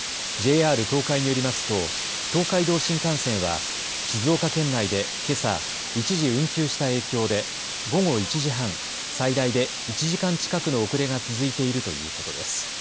ＪＲ東海によりますと東海道新幹線は静岡県内でけさ一時運休した影響で午後１時半、最大で１時間近くの遅れが続いているということです。